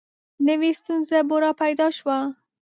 نوي ستونزه به را پیدا شوه.